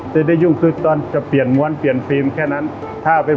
สวัสดีครับผมชื่อสามารถชานุบาลชื่อเล่นว่าขิงถ่ายหนังสุ่นแห่ง